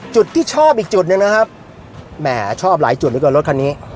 จุดที่ชอบอีกจุดนึงนะครับแหมชอบหลายจุดด้วยกับรถคันนี้